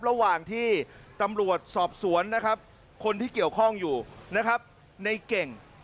ระหว่างที่ตำรวจสอบสวนนะครับคนที่เกี่ยวข้องอยู่นะครับในเก่ง